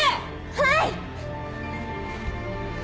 はい！